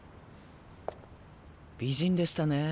美人でしたね。